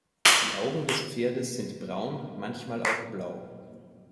Die Augen des Pferdes sind braun, manchmal auch blau.